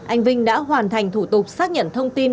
anh vinh đã hoàn thành thủ tục xác nhận thông tin